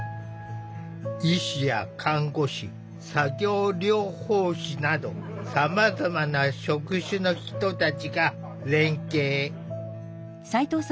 医師や看護師作業療法士などさまざまな職種の人たちが連携。